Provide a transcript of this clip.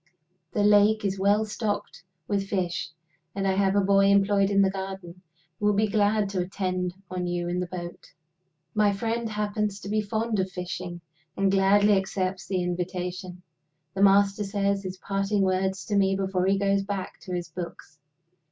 The lake is well stocked with fish; and I have a boy employed in the garden, who will be glad to attend on you in the boat." My friend happens to be fond of fishing, and gladly accepts the invitation. The Master says his parting words to me before he goes back to his books.